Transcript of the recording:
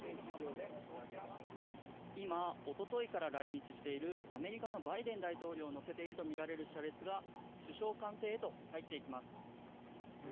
今、一昨日から来日しているアメリカのバイデン大統領を乗せているとみられる車列が首相官邸へと入っていきます。